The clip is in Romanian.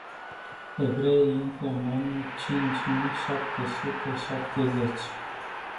Evreii intră în anul cinci mii șapte sute șaptezeci.